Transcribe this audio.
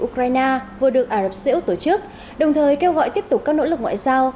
ukraine vừa được ả rập xê út tổ chức đồng thời kêu gọi tiếp tục các nỗ lực ngoại giao